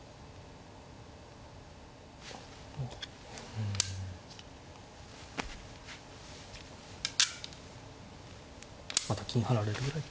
うん。また金貼られるぐらい。